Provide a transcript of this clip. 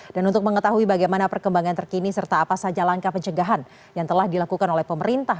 dan untuk mengetahui bagaimana perkembangan terkini serta apa saja langkah pencegahan yang telah dilakukan oleh pemerintah